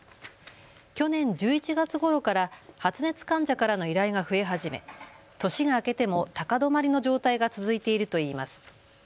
去年１１月ごろから発熱患者からの依頼が増え始め年が明けても高止まりの状態が続いているといいます。